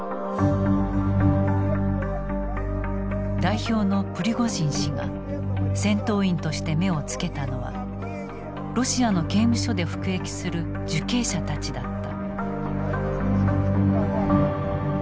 代表のプリゴジン氏が戦闘員として目をつけたのはロシアの刑務所で服役する受刑者たちだった。